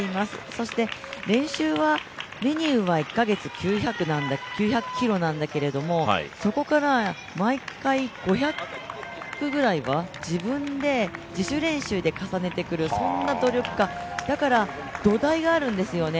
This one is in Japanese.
そして練習はメニューは１か月９００ｋｍなんだけどそこから毎回５００ぐらいは自分で自主練習で重ねてくる、そんな努力家、だから土台があるんですよね。